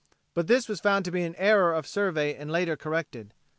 But this was found to be an error of survey and later corrected.